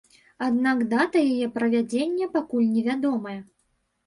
Аднак дата яе правядзення пакуль невядомая.